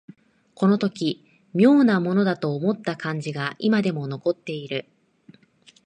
この時妙なものだと思った感じが今でも残っている